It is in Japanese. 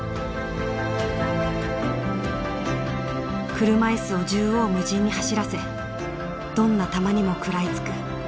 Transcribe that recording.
車いすを縦横無尽に走らせどんな球にも食らいつく。